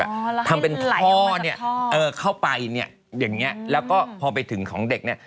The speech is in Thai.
อ๋อแล้วให้ไหลออกมาจากท่อทำเป็นท่อเนี่ยเออเข้าไปเนี่ยอย่างเนี่ยแล้วก็พอไปถึงของเด็กเนี่ย